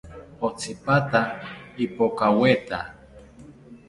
Otsipata ipokaweta